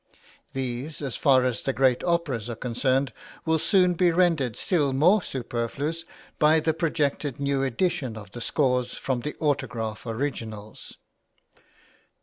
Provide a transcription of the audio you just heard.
These, as far as the great operas are concerned, will soon be rendered still more superfluous by the projected new edition of the scores from the autograph originals.